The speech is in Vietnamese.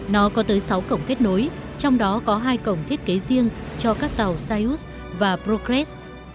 nó có tới sáu cổng kết nối trong đó có hai cổng thiết kế riêng cho các tàu sayus và progrates